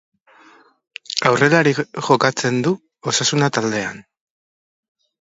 Aurrelari jokatzen du, Osasuna taldean.